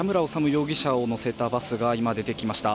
容疑者を乗せたバスが今出てきました。